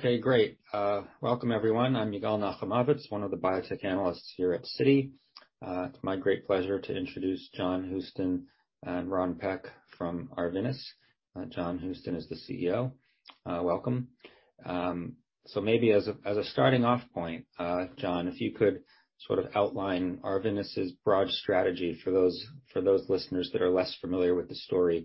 Okay, great. Welcome everyone. I'm Yigal Nochomovitz, one of the biotech analysts here at Citi. It's my great pleasure to introduce John Houston and Ronald Peck from Arvinas. John Houston is the CEO. Welcome. Maybe as a starting off point, John, if you could outline Arvinas's broad strategy for those listeners that are less familiar with the story,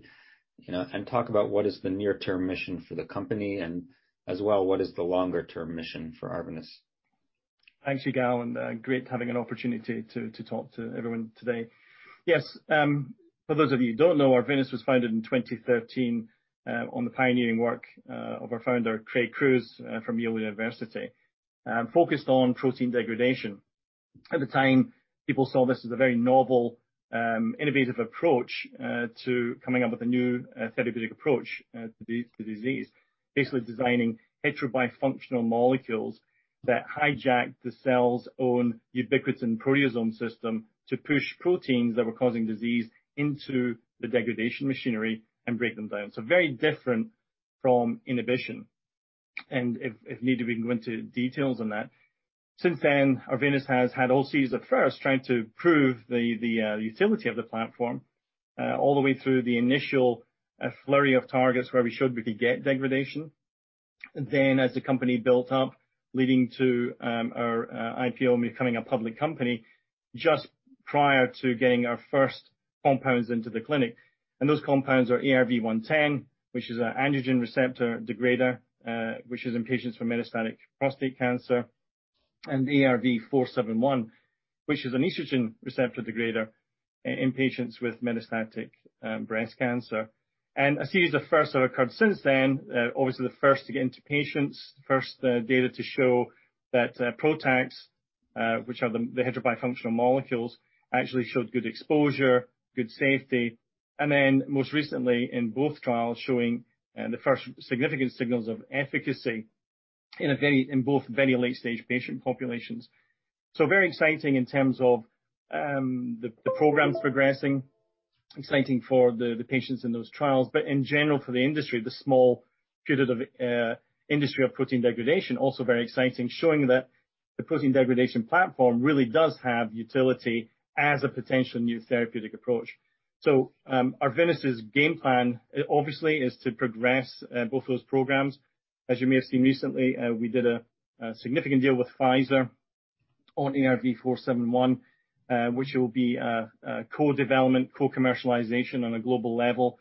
and talk about what is the near-term mission for the company and as well, what is the longer-term mission for Arvinas. Thanks, Yigal, great having an opportunity to talk to everyone today. Yes, for those of you who don't know, Arvinas was founded in 2013 on the pioneering work of our founder, Craig Crews from Yale University, focused on protein degradation. At the time, people saw this as a very novel, innovative approach to coming up with a new therapeutic approach to the disease. Basically designing heterobifunctional molecules that hijack the cell's own ubiquitin proteasome system to push proteins that were causing disease into the degradation machinery and break them down. Very different from inhibition. If needed, we can go into details on that. Since then, Arvinas has had all series of firsts trying to prove the utility of the platform, all the way through the initial flurry of targets where we showed we could get degradation. As the company built up, leading to our IPO and becoming a public company just prior to getting our first compounds into the clinic. Those compounds are bavdegalutamide, which is an androgen receptor degrader, which is in patients for metastatic prostate cancer, and vepdegestrant, which is an estrogen receptor degrader in patients with metastatic breast cancer. A series of firsts that occurred since then, obviously the first to get into patients, the first data to show that PROTACs, which are the heterobifunctional molecules, actually showed good exposure, good safety, and most recently in both trials, showing the first significant signals of efficacy in both very late-stage patient populations. Very exciting in terms of the programs progressing, exciting for the patients in those trials, but in general for the industry, the small putative industry of protein degradation, also very exciting, showing that the protein degradation platform really does have utility as a potential new therapeutic approach. Arvinas' game plan obviously is to progress both those programs. As you may have seen recently, we did a significant deal with Pfizer on vepdegestrant, which will be co-development, co-commercialization on a global level.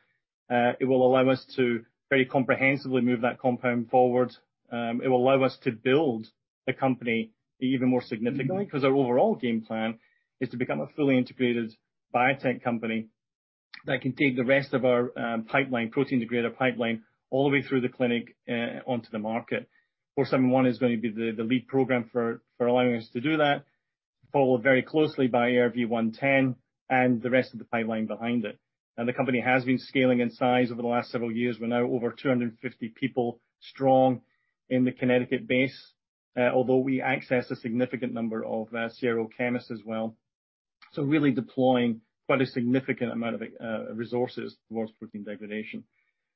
It will allow us to very comprehensively move that compound forward. It will allow us to build the company even more significantly, because our overall game plan is to become a fully integrated biotech company that can take the rest of our protein degrader pipeline all the way through the clinic onto the market. 471 is going to be the lead program for allowing us to do that, followed very closely by ARV-110 and the rest of the pipeline behind it. The company has been scaling in size over the last several years. We're now over 250 people strong in the Connecticut base. Although we access a significant number of CRO chemists as well. Really deploying quite a significant amount of resources towards protein degradation.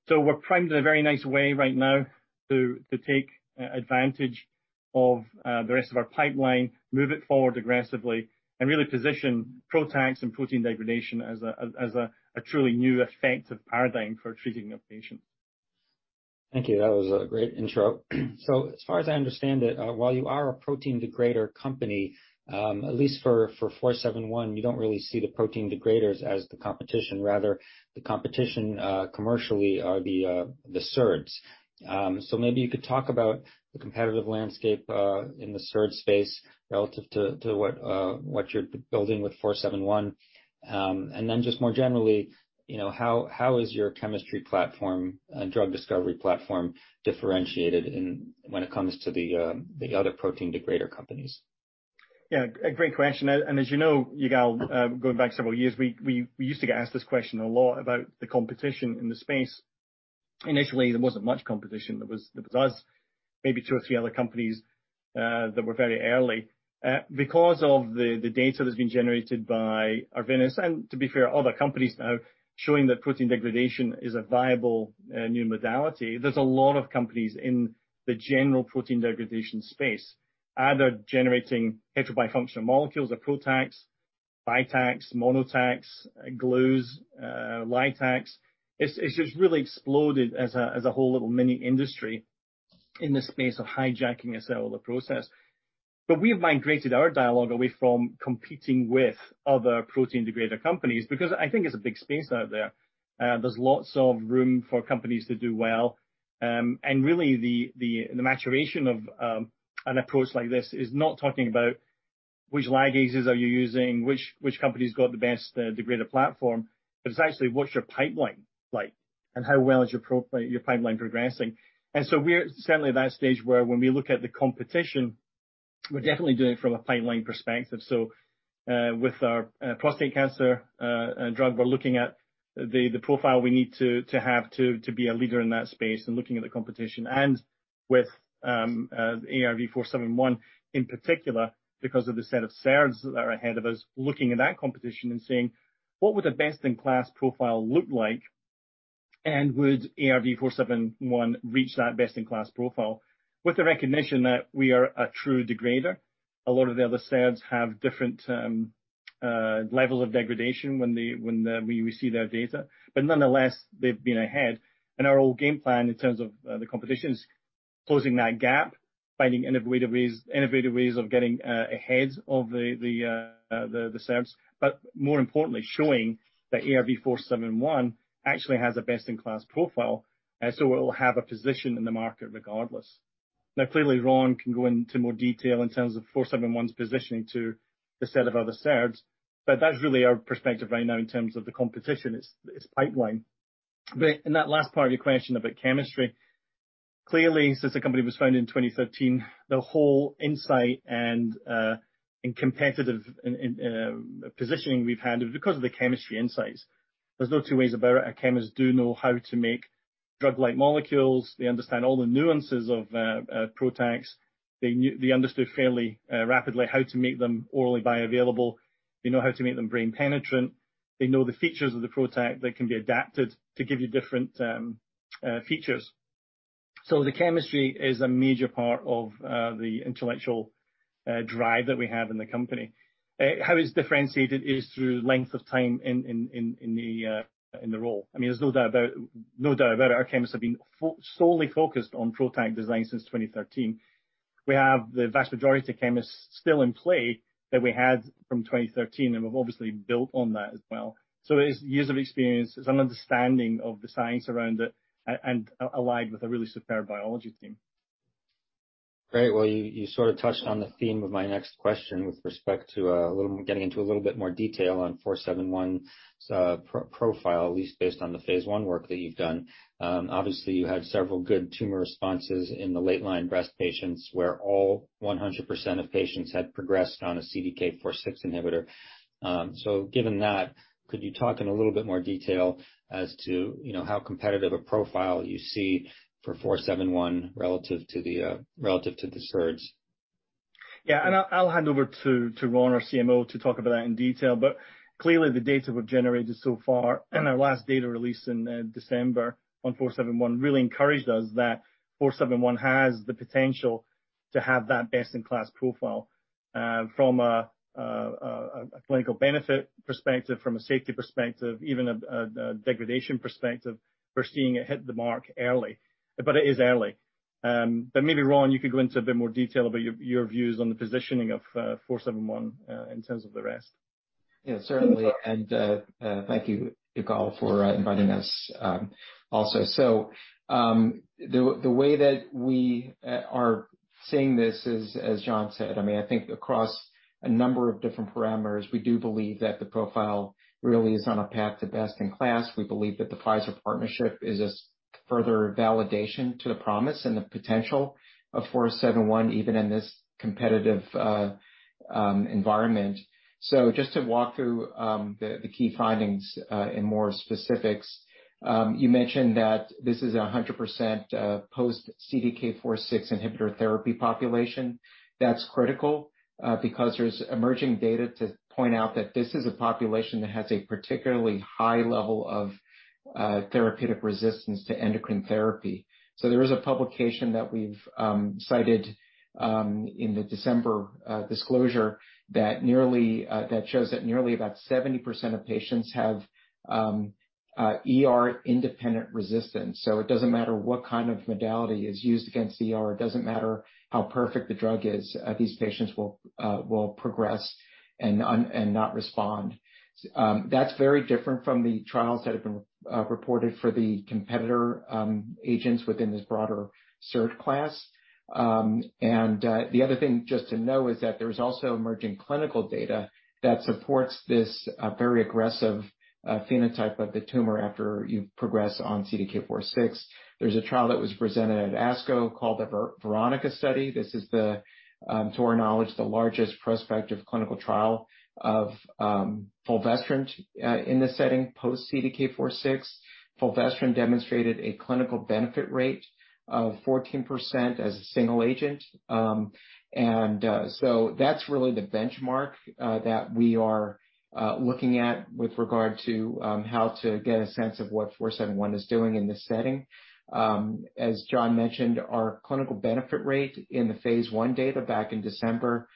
We're primed in a very nice way right now to take advantage of the rest of our pipeline, move it forward aggressively and really position PROTACs and protein degradation as a truly new effective paradigm for treating a patient. Thank you. That was a great intro. As far as I understand it, while you are a protein degrader company, at least for four seven one, you don't really see the protein degraders as the competition, rather the competition commercially are the SERDs. Maybe you could talk about the competitive landscape in the SERDs space relative to what you're building with four seven one. Then just more generally, how is your chemistry platform and drug discovery platform differentiated when it comes to the other protein degrader companies? Yeah, a great question. As you know, Yigal, going back several years, we used to get asked this question a lot about the competition in the space. Initially, there wasn't much competition. There was us, maybe two or three other companies that were very early. Because of the data that's been generated by Arvinas and, to be fair, other companies now showing that protein degradation is a viable new modality, there's a lot of companies in the general protein degradation space, either generating heterobifunctional molecules or PROTACs, BiTACs, MONOTACs, GLUEs, LYTACs. It's just really exploded as a whole little mini-industry in the space of hijacking a cellular process. We've migrated our dialogue away from competing with other protein degrader companies, because it's a big space out there. There's lots of room for companies to do well. Really the maturation of an approach like this is not talking about which ligases are you using, which company's got the best degrader platform, but it's actually what's your pipeline like and how well is your pipeline progressing. We're certainly at that stage where when we look at the competition, we're definitely doing it from a pipeline perspective. With our prostate cancer drug, we're looking at the profile we need to have to be a leader in that space and looking at the competition. With ARV-471 in particular, because of the set of SERDs that are ahead of us, looking at that competition and seeing what would a best-in-class profile look like. Would ARV-471 reach that best-in-class profile with the recognition that we are a true degrader? A lot of the other SERDs have different levels of degradation when we see their data. Nonetheless, they've been ahead. Our whole game plan in terms of the competition is closing that gap, finding innovative ways of getting ahead of the SERDs, but more importantly, showing that ARV-471 actually has a best-in-class profile, so it will have a position in the market regardless. Now, clearly, Ron can go into more detail in terms of 471's positioning to the set of other SERDs, but that's really our perspective right now in terms of the competition. It's pipeline. In that last part of your question about chemistry, clearly, since the company was founded in 2013, the whole insight and competitive positioning we've had is because of the chemistry insights. There's no two ways about it. Our chemists do know how to make drug-like molecules. They understand all the nuances of PROTACs. They understood fairly rapidly how to make them orally bioavailable. They know how to make them brain penetrant. They know the features of the PROTAC that can be adapted to give you different features. The chemistry is a major part of the intellectual drive that we have in the company. How it's differentiated is through length of time in the role. There's no doubt about it. Our chemists have been solely focused on PROTAC design since 2013. We have the vast majority of chemists still in play that we had from 2013, and we've obviously built on that as well. It's years of experience. It's an understanding of the science around it and allied with a really superb biology team. Great. You touched on the theme of my next question with respect to getting into a little bit more detail on 471's profile, at least based on the phase I work that you've done. Obviously, you had several good tumor responses in the late-line breast patients where all 100% of patients had progressed on a CDK4/6 inhibitor. Given that, could you talk in a little bit more detail as to how competitive a profile you see for 471 relative to the SERDs? I'll hand over to Ron, our CMO, to talk about that in detail. Clearly the data we've generated so far in our last data release in December on 471 really encouraged us that 471 has the potential to have that best-in-class profile. From a clinical benefit perspective, from a safety perspective, even a degradation perspective, we're seeing it hit the mark early, but it is early. Maybe, Ron, you could go into a bit more detail about your views on the positioning of 471 in terms of the rest. Yeah, certainly. Thank you, Yigal, for inviting us also. The way that we are seeing this is, as John said, across a number of different parameters, we do believe that the profile really is on a path to best in class. We believe that the Pfizer partnership is a further validation to the promise and the potential of 471, even in this competitive environment. Just to walk through the key findings in more specifics. You mentioned that this is 100% post CDK4/6 inhibitor therapy population. That's critical because there's emerging data to point out that this is a population that has a particularly high level of therapeutic resistance to endocrine therapy. There is a publication that we've cited in the December disclosure that shows that nearly about 70% of patients have ER-independent resistance. It doesn't matter what modality is used against ER. It doesn't matter how perfect the drug is. These patients will progress and not respond. That's very different from the trials that have been reported for the competitor agents within this broader SERDs class. The other thing just to know is that there is also emerging clinical data that supports this very aggressive phenotype of the tumor after you progress on CDK4/6. There's a trial that was presented at ASCO called the VERONICA study. This is, to our knowledge, the largest prospective clinical trial of fulvestrant in this setting, post CDK4/6. Fulvestrant demonstrated a clinical benefit rate of 14% as a single agent. That's really the benchmark that we are looking at with regard to how to get a sense of what 471 is doing in this setting. As John mentioned, our clinical benefit rate in the phase I data back in December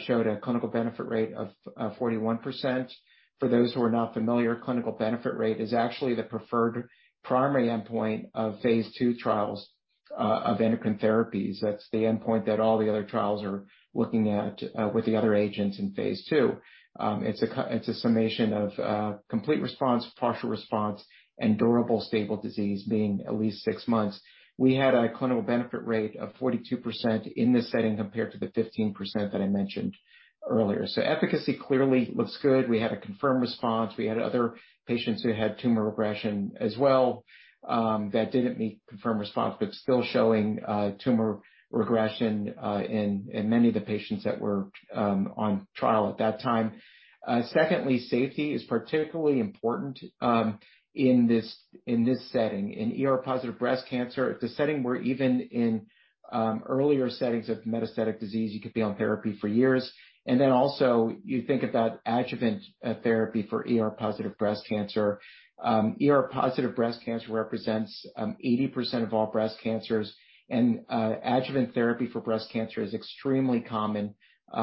showed a clinical benefit rate of 41%. For those who are not familiar, clinical benefit rate is actually the preferred primary endpoint of phase II trials of endocrine therapies. That's the endpoint that all the other trials are looking at with the other agents in phase II. It's a summation of complete response, partial response, and durable stable disease being at least 6 months. We had a clinical benefit rate of 42% in this setting compared to the 15% that I mentioned earlier. Efficacy clearly looks good. We had a confirmed response. We had other patients who had tumor regression as well, that didn't meet confirmed response, but still showing tumor regression in many of the patients that were on trial at that time. Secondly, safety is particularly important in this setting. In ER-positive breast cancer, it's a setting where even in earlier settings of metastatic disease, you could be on therapy for years. Also you think about adjuvant therapy for ER-positive breast cancer. ER-positive breast cancer represents 80% of all breast cancers, adjuvant therapy for breast cancer is extremely common. There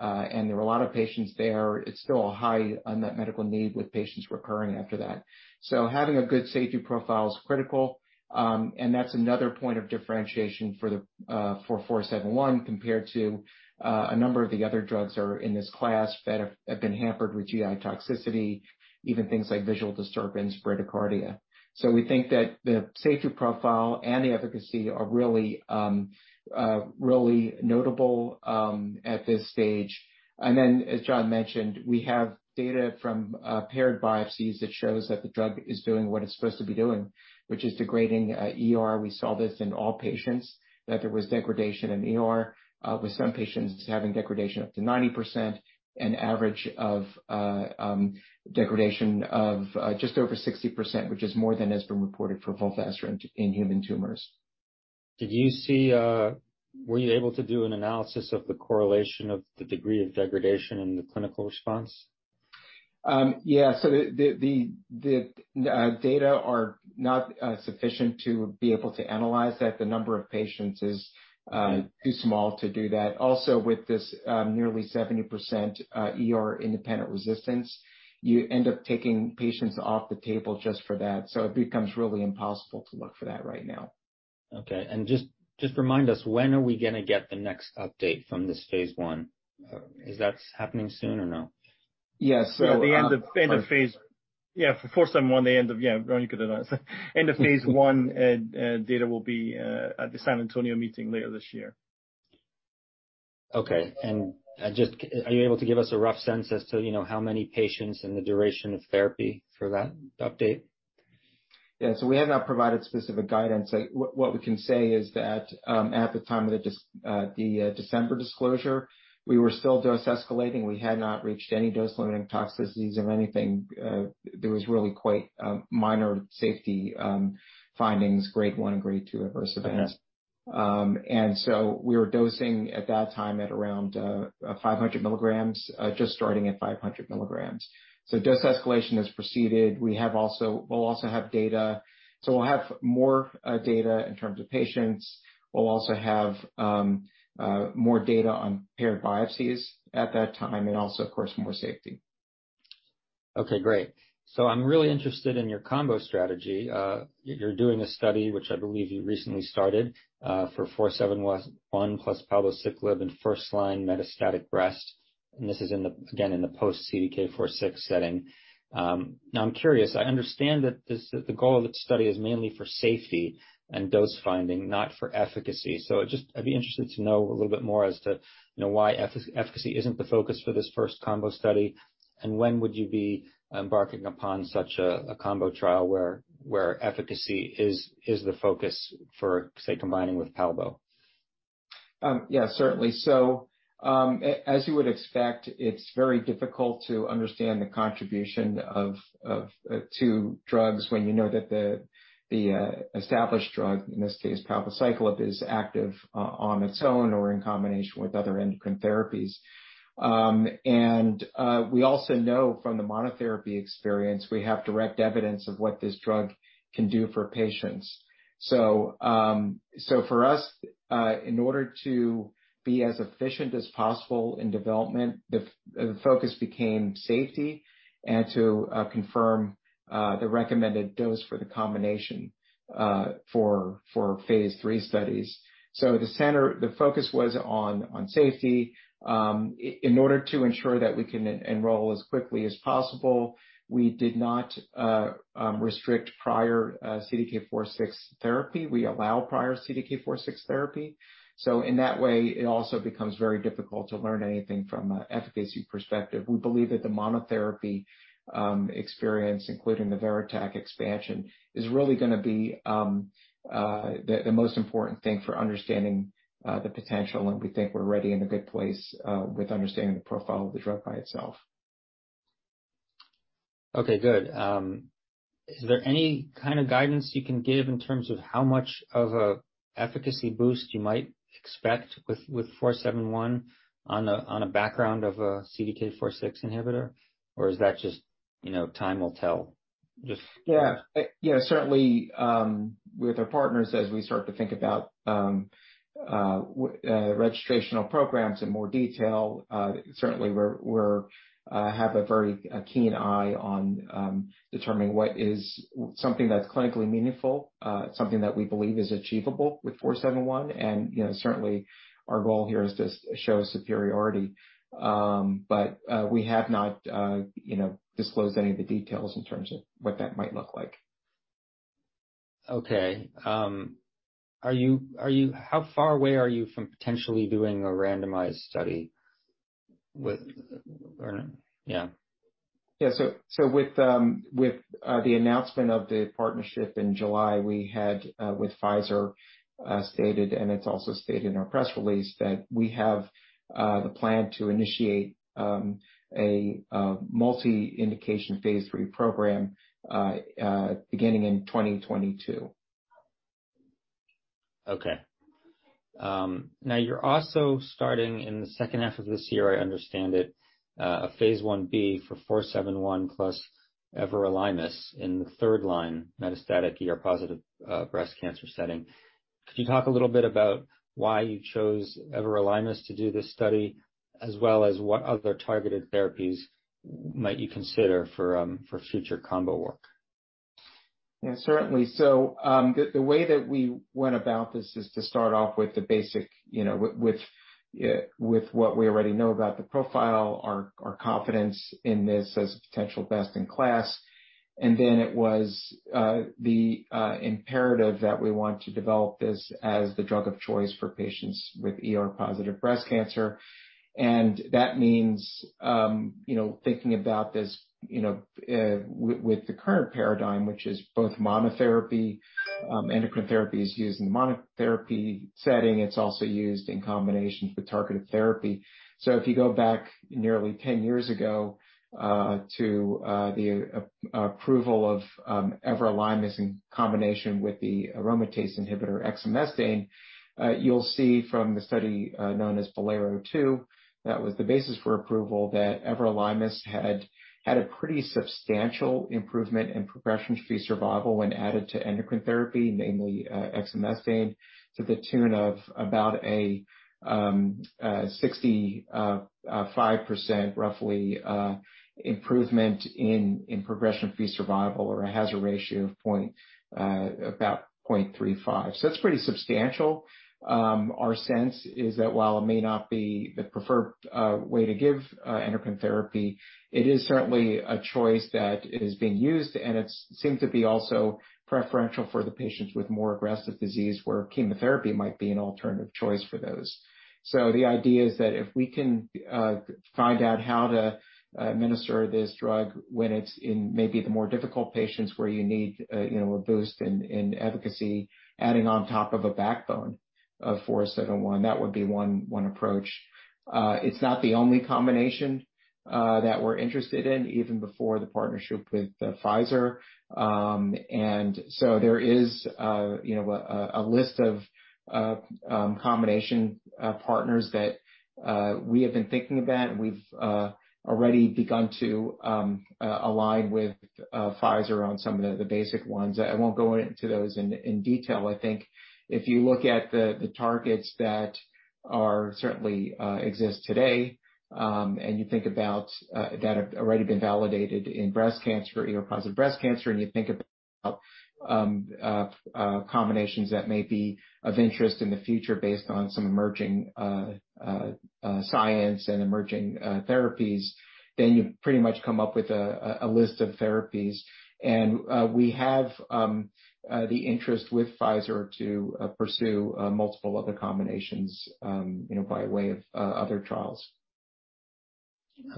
are a lot of patients there. It's still a high unmet medical need with patients recurring after that. Having a good safety profile is critical. That's another point of differentiation for 471 compared to a number of the other drugs that are in this class that have been hampered with GI toxicity, even things like visual disturbance, bradycardia. We think that the safety profile and the efficacy are really notable at this stage. As John mentioned, we have data from paired biopsies that shows that the drug is doing what it's supposed to be doing, which is degrading ER. We saw this in all patients, that there was degradation in ER, with some patients having degradation up to 90%, an average of degradation of just over 60%, which is more than has been reported for fulvestrant in human tumors. Were you able to do an analysis of the correlation of the degree of degradation in the clinical response? The data are not sufficient to be able to analyze that. The number of patients is too small to do that. Also with this nearly 70% ER-independent resistance, you end up taking patients off the table just for that, so it becomes really impossible to look for that right now. Okay. Just remind us, when are we going to get the next update from this phase I? Is that happening soon or no? Yes. For 471, end of phase I data will be at the San Antonio meeting later this year. Okay. Are you able to give us a rough sense as to how many patients and the duration of therapy for that update? We have not provided specific guidance. What we can say is that at the time of the December disclosure, we were still dose escalating. We had not reached any dose-limiting toxicities or anything. There was really quite minor safety findings, grade one and grade two adverse events. We were dosing at that time at around 500 milligrams, just starting at 500 milligrams. Dose escalation has proceeded. We'll have more data in terms of patients. We'll also have more data on paired biopsies at that time, and also, of course, more safety. Okay, great. I'm really interested in your combo strategy. You're doing a study, which I believe you recently started, for 471 plus palbociclib in first-line metastatic breast, and this is again in the post-CDK4/6 setting. I'm curious, I understand that the goal of the study is mainly for safety and dose finding, not for efficacy. I'd be interested to know a little bit more as to why efficacy isn't the focus for this first combo study, and when would you be embarking upon such a combo trial where efficacy is the focus for, say, combining with palbo? Yeah, certainly. As you would expect, it's very difficult to understand the contribution of two drugs when you know that the established drug, in this case palbociclib, is active on its own or in combination with other endocrine therapies. We also know from the monotherapy experience, we have direct evidence of what this drug can do for patients. For us, in order to be as efficient as possible in development, the focus became safety and to confirm the recommended dose for the combination for phase III studies. The focus was on safety. In order to ensure that we can enroll as quickly as possible, we did not restrict prior CDK4/6 therapy. We allow prior CDK4/6 therapy. In that way, it also becomes very difficult to learn anything from an efficacy perspective. We believe that the monotherapy experience, including the VERITAC expansion, is really going to be the most important thing for understanding the potential. We think we're already in a good place with understanding the profile of the drug by itself. Okay, good. Is there any guidance you can give in terms of how much of an efficacy boost you might expect with 471 on a background of a CDK4/6 inhibitor, or is that just time will tell? Certainly, with our partners, as we start to think about registrational programs in more detail, certainly we have a very keen eye on determining what is something that's clinically meaningful, something that we believe is achievable with 471, and certainly our goal here is to show superiority. We have not disclosed any of the details in terms of what that might look like. How far away are you from potentially doing a randomized study? With the announcement of the partnership in July, we had with Pfizer stated, and it's also stated in our press release, that we have the plan to initiate a multi-indication phase III program beginning in 2022. You're also starting in the second half of this year, I understand it, a phase I-B for 471 plus everolimus in the third-line metastatic ER-positive breast cancer setting. Could you talk a little bit about why you chose everolimus to do this study, as well as what other targeted therapies might you consider for future combo work? Yeah, certainly. The way that we went about this is to start off with the basic, with what we already know about the profile, our confidence in this as a potential best-in-class. It was the imperative that we want to develop this as the drug of choice for patients with ER-positive breast cancer. That means thinking about this with the current paradigm, which is both monotherapy, endocrine therapy is used in the monotherapy setting. It's also used in combination with targeted therapy. If you go back nearly 10 years ago to the approval of everolimus in combination with the aromatase inhibitor exemestane, you will see from the study known as BOLERO-2, that was the basis for approval that everolimus had had a pretty substantial improvement in progression-free survival when added to endocrine therapy, namely exemestane, to the tune of about a 65%, roughly, improvement in progression-free survival or a hazard ratio of about 0.35. That is pretty substantial. Our sense is that while it may not be the preferred way to give endocrine therapy, it is certainly a choice that is being used, and it seems to be also preferential for the patients with more aggressive disease, where chemotherapy might be an alternative choice for those. The idea is that if we can find out how to administer this drug when it's in maybe the more difficult patients where you need a boost in efficacy, adding on top of a backbone of 471, that would be one approach. It's not the only combination that we're interested in, even before the partnership with Pfizer. There is a list of combination partners that we have been thinking about, and we've already begun to align with Pfizer on some of the basic ones. I won't go into those in detail. If you look at the targets that certainly exist today, and you think about that have already been validated in breast cancer, ER-positive breast cancer, and you think about combinations that may be of interest in the future based on some emerging science and emerging therapies, then you pretty much come up with a list of therapies. We have the interest with Pfizer to pursue multiple other combinations by way of other trials.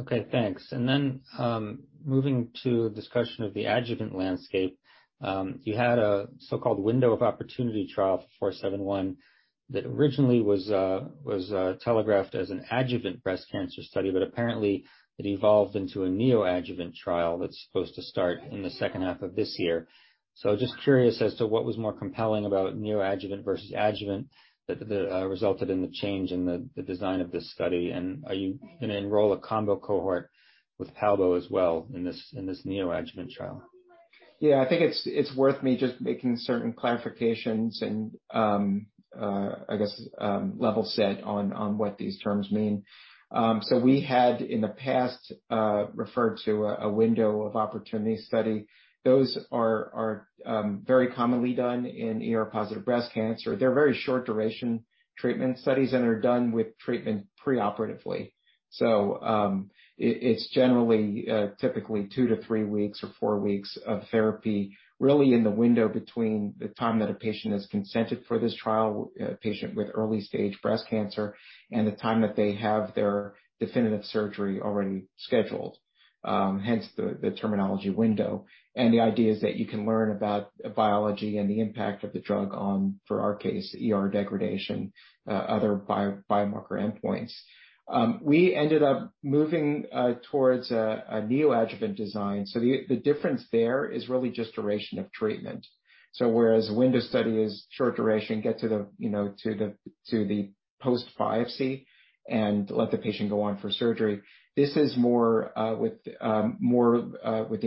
Okay, thanks. Then moving to discussion of the adjuvant landscape. You had a so-called window of opportunity trial for 471 that originally was telegraphed as an adjuvant breast cancer study, but apparently it evolved into a neoadjuvant trial that's supposed to start in the second half of this year. Just curious as to what was more compelling about neoadjuvant versus adjuvant that resulted in the change in the design of this study. Are you going to enroll a combo cohort with palbo as well in this neoadjuvant trial? Yeah, it's worth me just making certain clarifications and I guess level set on what these terms mean. We had in the past referred to a window of opportunity study. Those are very commonly done in ER-positive breast cancer. They're very short duration treatment studies and are done with treatment preoperatively. It's generally typically two to three weeks or four weeks of therapy, really in the window between the time that a patient has consented for this trial, a patient with early-stage breast cancer, and the time that they have their definitive surgery already scheduled. Hence the terminology window. The idea is that you can learn about biology and the impact of the drug on, for our case, ER degradation, other biomarker endpoints. We ended up moving towards a neoadjuvant design. The difference there is really just duration of treatment. Whereas window study is short duration, get to the post-biopsy and let the patient go on for surgery. This is more with the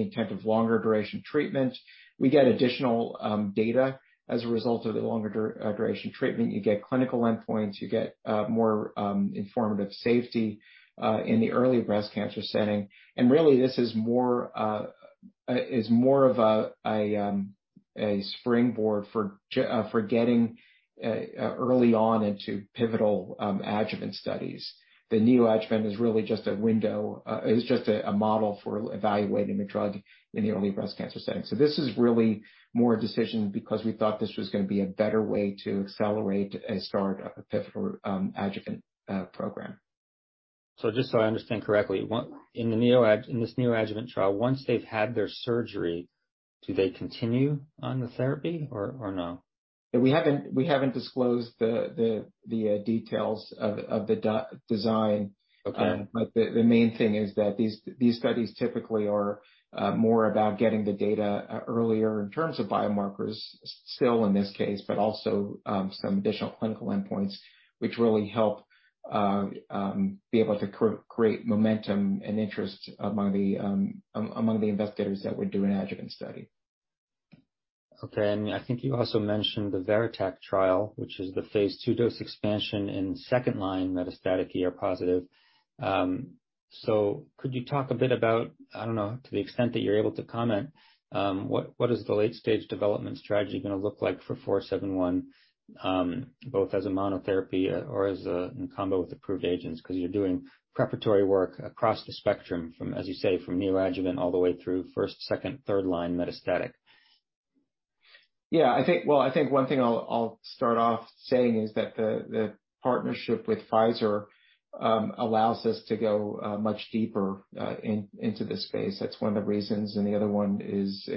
intent of longer duration treatment. We get additional data as a result of the longer duration treatment. You get clinical endpoints, you get more informative safety in the early breast cancer setting. Really, this is more of a springboard for getting early on into pivotal adjuvant studies. The neoadjuvant is really just a model for evaluating the drug in the early breast cancer setting. This is really more a decision because we thought this was going to be a better way to accelerate a start of a pivotal adjuvant program. Just so I understand correctly, in this neoadjuvant trial, once they've had their surgery, do they continue on the therapy or no? We haven't disclosed the details of the design. The main thing is that these studies typically are more about getting the data earlier in terms of biomarkers, still in this case, but also some additional clinical endpoints, which really help be able to create momentum and interest among the investigators that we're doing adjuvant study. Okay, you also mentioned the VERITAC trial, which is the phase II dose expansion in second-line metastatic ER positive. Could you talk a bit about, I don't know, to the extent that you're able to comment, what is the late-stage development strategy going to look like for 471, both as a monotherapy or as in combo with approved agents? You're doing preparatory work across the spectrum from, as you say, from neoadjuvant all the way through first, second, third line metastatic. One thing I'll start off saying is that the partnership with Pfizer allows us to go much deeper into this space. That's one of the reasons. The other one is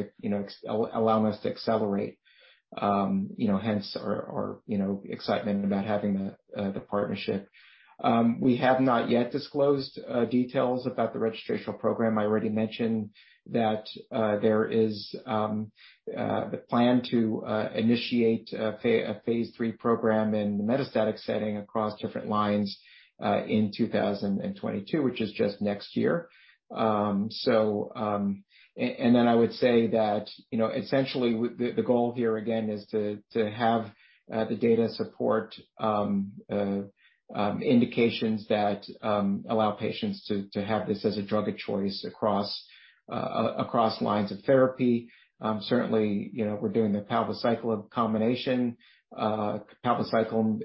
allow us to accelerate, hence our excitement about having the partnership. We have not yet disclosed details about the registrational program. I already mentioned that there is the plan to initiate a phase III program in the metastatic setting across different lines, in 2022, which is just next year. I would say that essentially the goal here again, is to have the data support indications that allow patients to have this as a drug of choice across lines of therapy. Certainly, we're doing the palbociclib combination. Palbociclib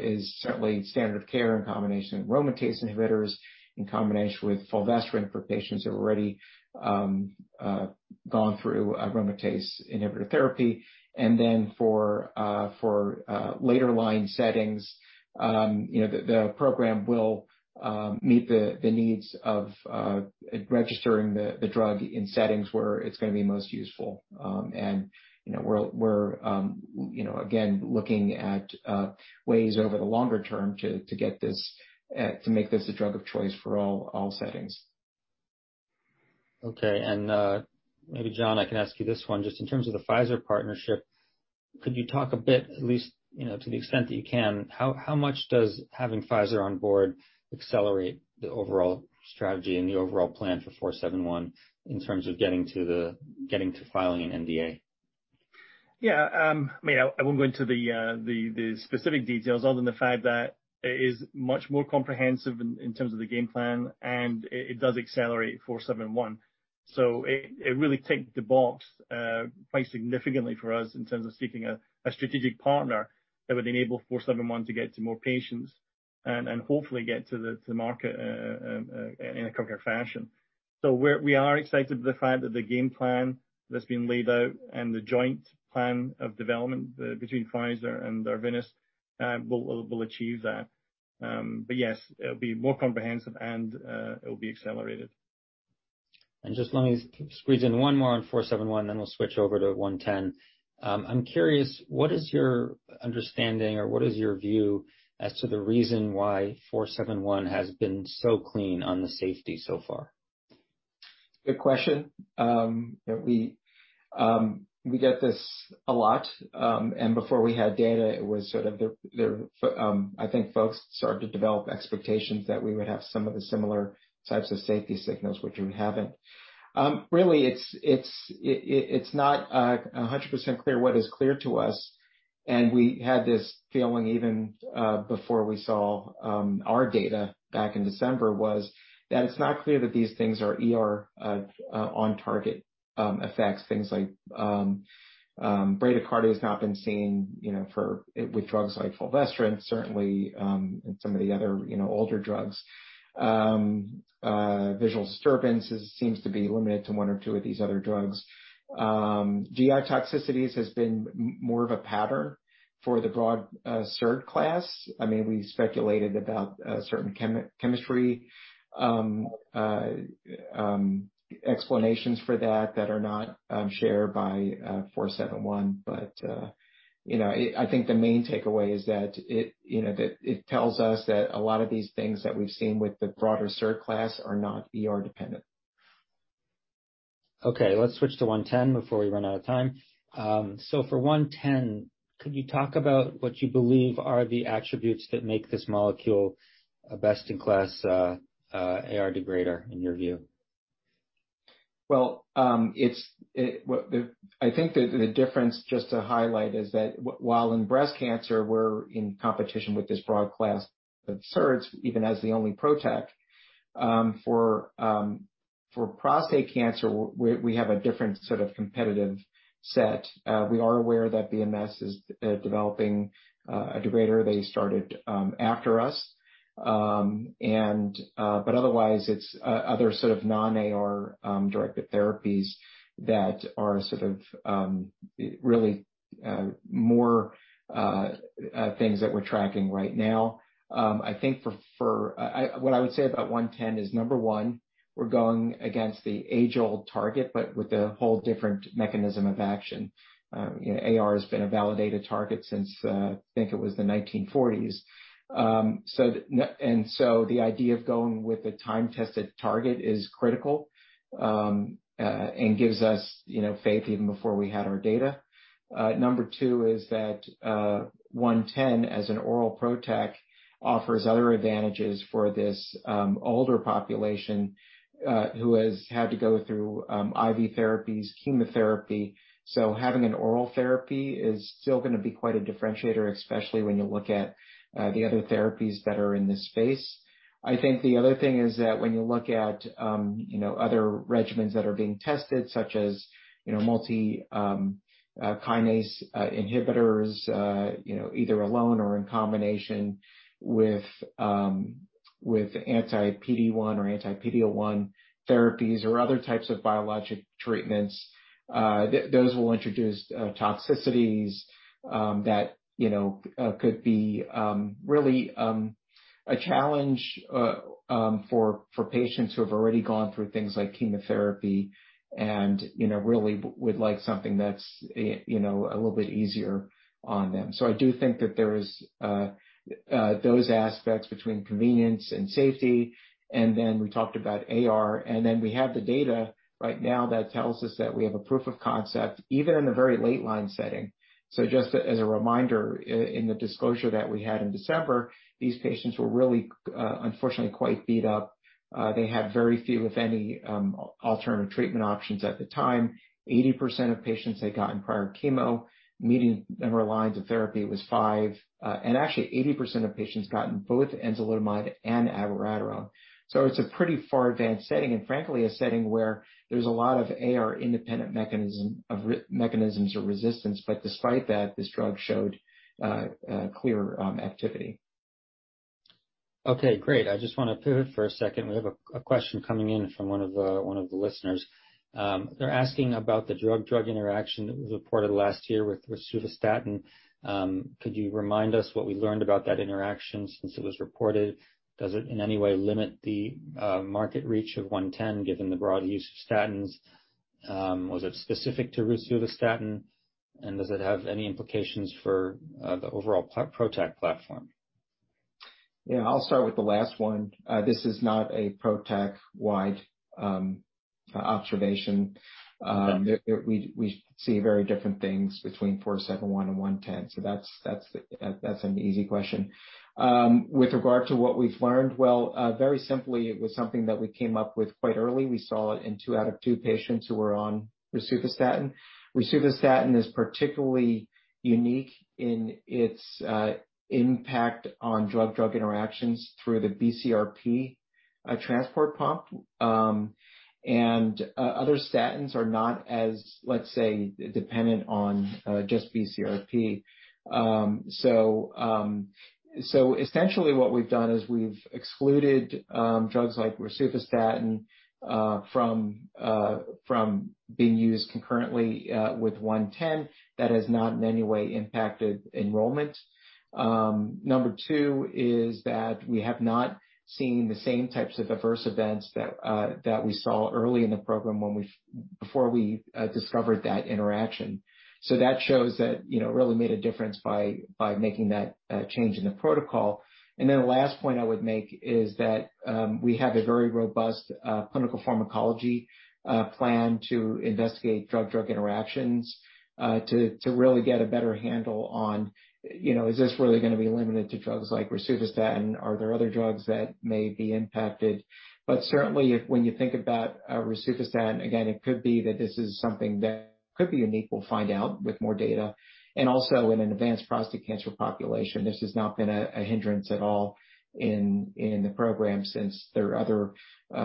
is certainly standard of care in combination with aromatase inhibitors, in combination with fulvestrant for patients who've already gone through aromatase inhibitor therapy. For later line settings the program will meet the needs of registering the drug in settings where it's going to be most useful. We're again, looking at ways over the longer term to make this a drug of choice for all settings. Okay. Maybe, John, I can ask you this one. Just in terms of the Pfizer partnership, could you talk a bit, at least, to the extent that you can, how much does having Pfizer on board accelerate the overall strategy and the overall plan for 471 in terms of getting to filing an NDA? I won't go into the specific details other than the fact that it is much more comprehensive in terms of the game plan, and it does accelerate 471. It really ticked the box quite significantly for us in terms of seeking a strategic partner that would enable 471 to get to more patients and hopefully get to the market in a quicker fashion. We are excited by the fact that the game plan that's been laid out and the joint plan of development between Pfizer and Arvinas will achieve that. Yes, it'll be more comprehensive, and it'll be accelerated. Just let me squeeze in one more on 471, then we'll switch over to 110. I'm curious, what is your understanding or what is your view as to the reason why 471 has been so clean on the safety so far? Good question. We get this a lot. Folks started to develop expectations that we would have some of the similar types of safety signals, which we haven't. Really, it's not 100% clear what is clear to us, and we had this feeling even before we saw our data back in December, was that it's not clear that these things are ER on target effects. Things like bradycardia has not been seen with drugs like fulvestrant, certainly, and some of the other older drugs. Visual disturbance seems to be limited to one or two of these other drugs. GI toxicities has been more of a pattern for the broad SERDs class. We speculated about certain chemistry explanations for that that are not shared by 471. The main takeaway is that it tells us that a lot of these things that we've seen with the broader SERDs class are not ER dependent. Okay, let's switch to 110 before we run out of time. For 110, could you talk about what you believe are the attributes that make this molecule a best-in-class AR degrader in your view? The difference just to highlight is that while in breast cancer, we're in competition with this broad class of SERDs, even as the only PROTAC, for prostate cancer, we have a different competitive set. We are aware that BMS is developing a degrader. They started after us. Otherwise, it's other non-AR directed therapies that are really more things that we're tracking right now. What I would say about 110 is, number one, we're going against the age-old target, but with a whole different mechanism of action. AR has been a validated target since, it was the 1940s. The idea of going with a time-tested target is critical and gives us faith even before we had our data. Number two is that 110 as an oral PROTAC offers other advantages for this older population who has had to go through IV therapies, chemotherapy. Having an oral therapy is still going to be quite a differentiator, especially when you look at the other therapies that are in this space. The other thing is that when you look at other regimens that are being tested, such as multi-kinase inhibitors either alone or in combination with anti-PD-1 or anti-PD-L1 therapies or other types of biologic treatments, those will introduce toxicities that could be really a challenge for patients who have already gone through things like chemotherapy and really would like something that's a little bit easier on them. I do think that there is those aspects between convenience and safety, and then we talked about AR, and then we have the data right now that tells us that we have a proof of concept, even in a very late line setting. Just as a reminder, in the disclosure that we had in December, these patients were really, unfortunately, quite beat up. They had very few, if any, alternative treatment options at the time. 80% of patients had gotten prior chemo. Median number of lines of therapy was 5. Actually, 80% of patients got both enzalutamide and abiraterone. It's a pretty far advanced setting, and frankly, a setting where there's a lot of AR-independent mechanisms of resistance. Despite that, this drug showed clear activity. Okay, great. I just want to pivot for a second. We have a question coming in from one of the listeners. They're asking about the drug-drug interaction that was reported last year with rosuvastatin. Could you remind us what we learned about that interaction since it was reported? Does it in any way limit the market reach of 110 given the broad use of statins? Was it specific to rosuvastatin? Does it have any implications for the overall PROTAC platform? Yeah, I'll start with the last one. This is not a PROTAC-wide observation. We see very different things between 471 and 110. That's an easy question. With regard to what we've learned, well, very simply, it was something that we came up with quite early. We saw it in two out of two patients who were on rosuvastatin. Rosuvastatin is particularly unique in its impact on drug-drug interactions through the BCRP transport pump, and other statins are not as, let's say, dependent on just BCRP. Essentially what we've done is we've excluded drugs like rosuvastatin from being used concurrently with 110. That has not in any way impacted enrollment. Number two is that we have not seen the same types of adverse events that we saw early in the program before we discovered that interaction. That shows that really made a difference by making that change in the protocol. The last point I would make is that we have a very robust clinical pharmacology plan to investigate drug-drug interactions, to really get a better handle on, is this really going to be limited to drugs like rosuvastatin? Are there other drugs that may be impacted? Certainly, when you think about rosuvastatin, again, it could be that this is something that could be unique. We'll find out with more data. In an advanced prostate cancer population, this has not been a hindrance at all in the program since there are other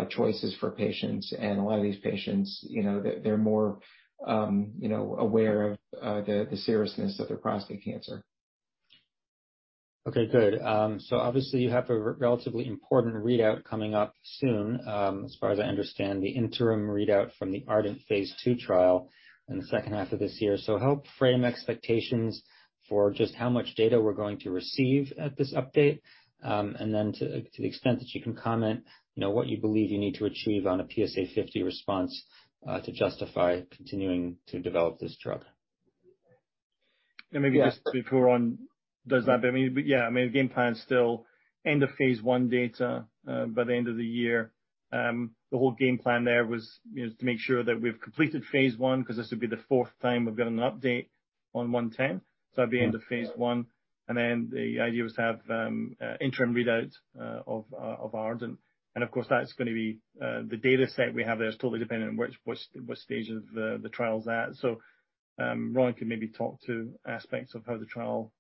choices for patients. A lot of these patients, they're more aware of the seriousness of their prostate cancer. Okay, good. Obviously you have a relatively important readout coming up soon, as far as I understand, the interim readout from the ARDEN phase II trial in the second half of this year. Help frame expectations for just how much data we're going to receive at this update, and then to the extent that you can comment, what you believe you need to achieve on a PSA 50 response to justify continuing to develop this drug. Maybe just before Ron does that, yeah, the game plan is still end of phase I data by the end of the year. The whole game plan there was to make sure that we've completed phase I, because this will be the fourth time we've gotten an update on 110. That'd be the end of phase I. The idea was to have interim readouts of ARDEN. Of course, that's going to be the data set we have there is totally dependent on what stage of the trial's at. Ron can maybe talk to aspects of how the trial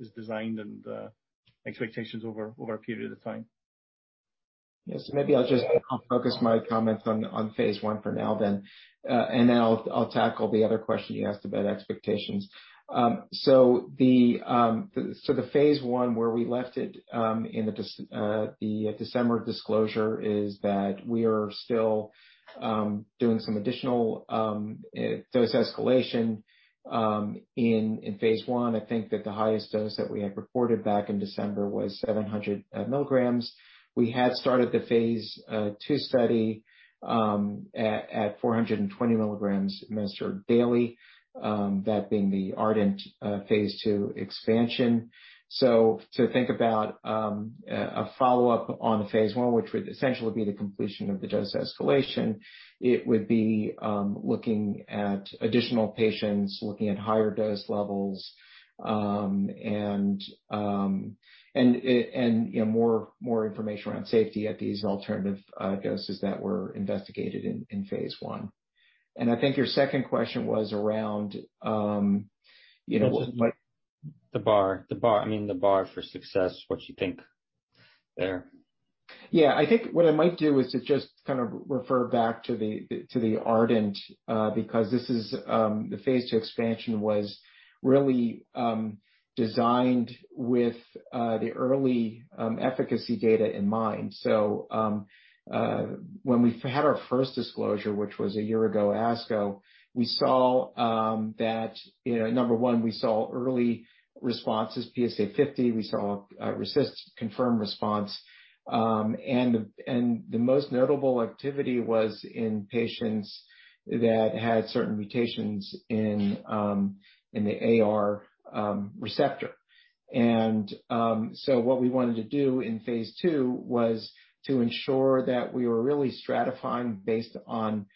is designed and expectations over a period of time. Yes. Maybe I'll just focus my comments on phase I for now then, and then I'll tackle the other question you asked about expectations. The phase I, where we left it in the December disclosure, is that we are still doing some additional dose escalation in phase I. That the highest dose that we had reported back in December was 700 mg. We had started the phase II study at 420 mg administered daily, that being the ARDEN phase II expansion. To think about a follow-up on the phase I, which would essentially be the completion of the dose escalation, it would be looking at additional patients, looking at higher dose levels, and more information around safety at these alternative doses that were investigated in phase I. Your second question was around. The bar. I mean the bar for success, what you think there? What I might do is to just refer back to the ARDEN because the phase II expansion was really designed with the early efficacy data in mind. When we had our first disclosure, which was a year ago, ASCO, number one, we saw early responses, PSA 50, we saw a RECIST confirmed response. The most notable activity was in patients that had certain mutations in the AR receptor. What we wanted to do in phase II was to ensure that we were really stratifying based on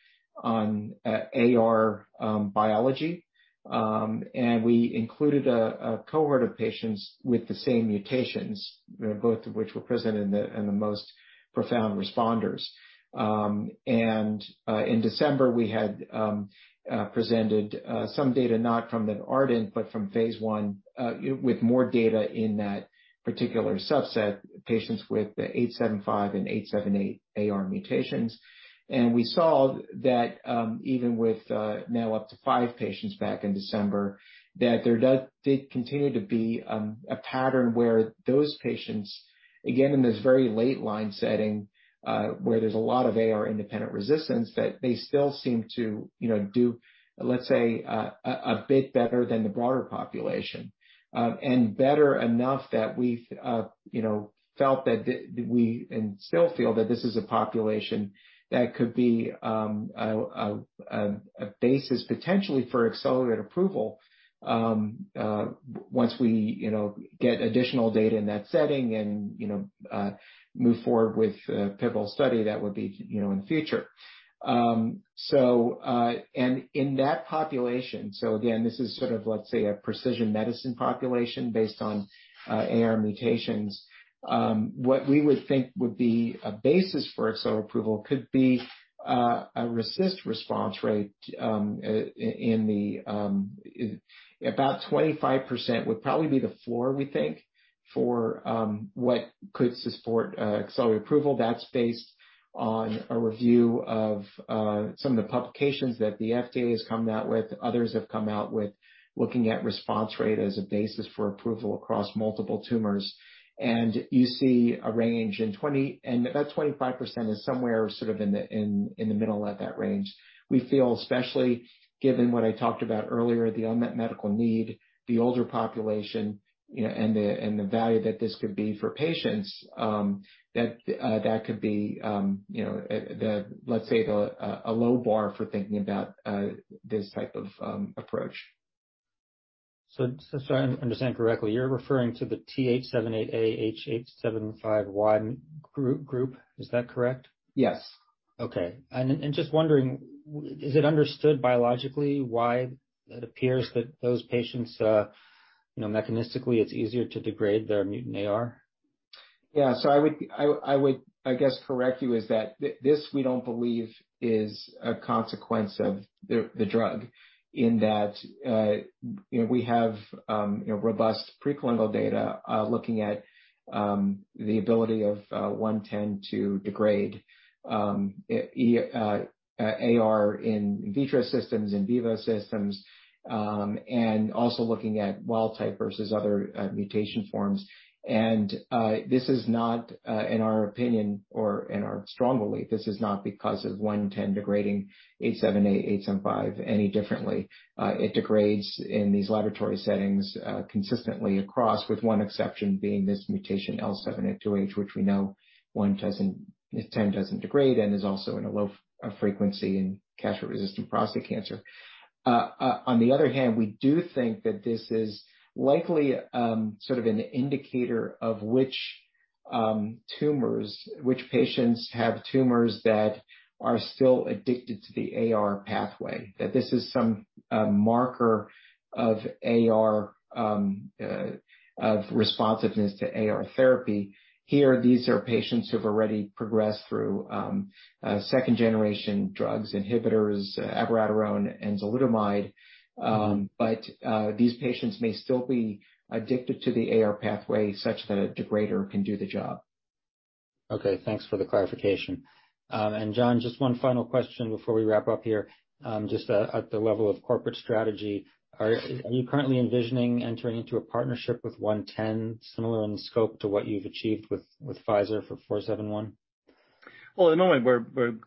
AR biology. We included a cohort of patients with the same mutations, both of which were present in the most profound responders. In December, we had presented some data, not from the ARDEN, but from phase I, with more data in that particular subset, patients with the H875Y and T878A AR mutations. We saw that even with now up to five patients back in December, that there did continue to be a pattern where those patients, again, in this very late line setting, where there's a lot of AR-independent resistance, that they still seem to do, let's say, a bit better than the broader population. Better enough that we felt, and still feel, that this is a population that could be a basis potentially for accelerated approval once we get additional data in that setting and move forward with a pivotal study that would be in the future. In that population, so again, this is let's say a precision medicine population based on AR mutations. What we would think would be a basis for accelerated approval could be a RECIST response rate. About 25% would probably be the floor we think for what could support accelerated approval. That's based on a review of some of the publications that the FDA has come out with, others have come out with, looking at response rate as a basis for approval across multiple tumors. You see a range in 20%, and that 25% is somewhere in the middle of that range. We feel, especially given what I talked about earlier, the unmet medical need, the older population, and the value that this could be for patients, that could be let's say a low bar for thinking about this type of approach. If I understand correctly, you're referring to the T878A/H875Y group. Is that correct? Yes. Okay. Just wondering, is it understood biologically why it appears that those patients, mechanistically, it's easier to degrade their mutant AR? I would correct you is that this we don't believe is a consequence of the drug in that we have robust preclinical data looking at the ability of 110 to degrade AR in vitro systems, in vivo systems, and also looking at wild-type versus other mutation forms. This is not in our opinion or in our strong belief, this is not because of 110 degrading 878, H875Y any differently. It degrades in these laboratory settings consistently across, with one exception being this mutation L702H, which we know 110 doesn't degrade and is also in a low frequency in castrate-resistant prostate cancer. On the other hand, we do think that this is likely an indicator of which tumors, which patients have tumors that are still addicted to the AR pathway, that this is some marker of responsiveness to AR therapy. Here, these are patients who've already progressed through second-generation drugs inhibitors, abiraterone and enzalutamide. These patients may still be addicted to the AR pathway such that a degrader can do the job. Okay, thanks for the clarification. John, just one final question before we wrap up here. Just at the level of corporate strategy, are you currently envisioning entering into a partnership with 110, similar in scope to what you've achieved with Pfizer for 471? At the moment, we're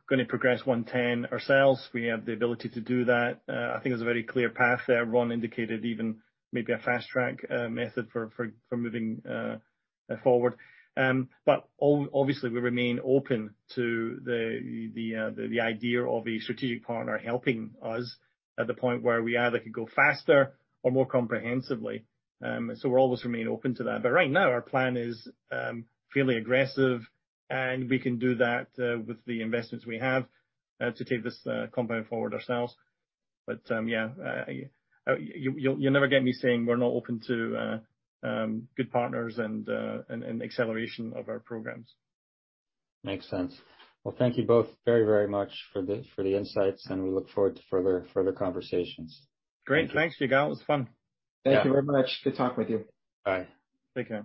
going to progress 110 ourselves. We have the ability to do that. There's a very clear path there. Ron indicated even maybe a fast-track method for moving forward. Obviously, we remain open to the idea of a strategic partner helping us at the point where we either could go faster or more comprehensively. We'll always remain open to that. Right now, our plan is fairly aggressive, and we can do that with the investments we have to take this compound forward ourselves. You'll never get me saying we're not open to good partners and acceleration of our programs. Makes sense. Well, thank you both very much for the insights, and we look forward to further conversations. Great. Thanks, Yigal. It was fun. Thank you very much. Good talking with you. Bye. Thank you.